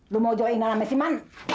lo mau jauhin sama si manap